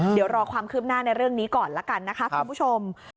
เดี๋ยวรอความคืบหน้าในเรื่องนี้ก่อนละกันนะคะคุณผู้ชม